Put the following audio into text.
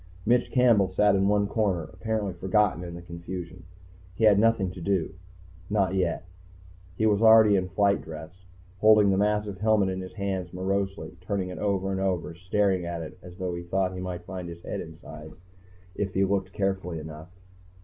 Mitch Campbell sat in one corner, apparently forgotten in the confusion. He had nothing to do. Not yet. He was already in flight dress, holding the massive helmet in his hands morosely, turning it over and over, staring at it as though he thought he might find his head inside if he looked carefully enough.